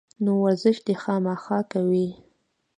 نو ورزش دې خامخا کوي